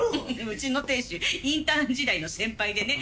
うちの亭主インターン時代の先輩でね。